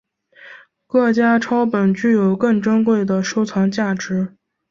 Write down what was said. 名家抄本具有更珍贵的收藏价值。